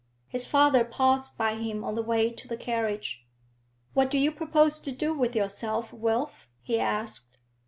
His father paused by him on the way to the carriage. 'What do you propose to do with yourself, Wilf?' he asked.